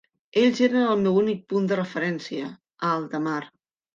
Elles eren el meu únic punt de referència, a alta mar.